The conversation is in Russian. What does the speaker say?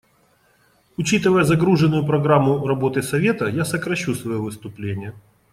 Учитывая загруженную программу работы Совета, я сокращу свое выступление.